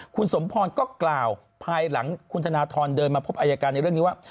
คุณสมพรก็กล่าวภายหลังคุณธนทรเดินมาพบอายการในเรื่องนี้ว่า